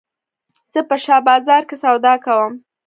زه په شاه بازار کښي سودا کوم.